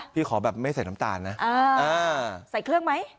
ขอแบบไม่ใส่น้ำตาลนะใส่เครื่องไหม